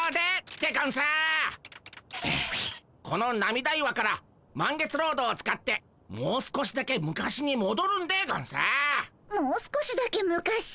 この涙岩から満月ロードを使ってもう少しだけ昔にもどるんでゴンス。